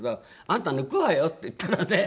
「あんた抜くわよ？」って言ったらね